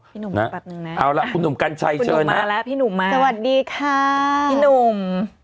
พี่หนุ่มมาแป๊บนึงนะพี่หนุ่มมาแล้วพี่หนุ่มมาสวัสดีค่ะพี่หนุ่ม